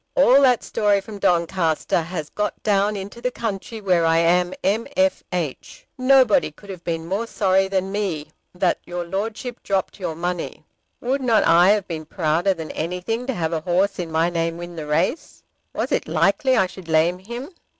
All that story from Doncaster has got down into the country where I am M.F.H. Nobody could have been more sorry than me that your Lordship dropped your money. Would not I have been prouder than anything to have a horse in my name win the race! Was it likely I should lame him?